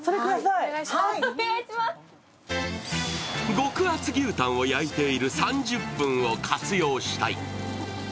極厚牛タンを焼いている３０分を活用したい。